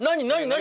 何？